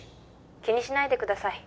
☎気にしないでください